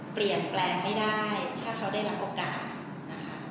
เปลี่ยนแปลงไม่ได้ถ้าเขาได้รับโอกาสนะคะ